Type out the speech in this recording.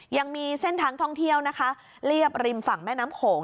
ยังมีเส้นทางท่องเที่ยวนะคะเรียบริมฝั่งแม่น้ำโขง